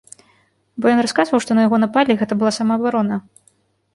Бо ён расказваў, што на яго напалі і гэта была самаабарона.